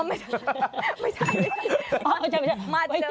ไม่ใช่ไม่ใช่